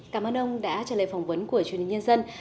cảm ơn ông đã trả lời phỏng vấn của truyền hình nhân dân